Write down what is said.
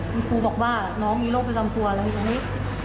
คุณครูบอกว่าน้องมีโรคประจำตัวอะไรตรงนี้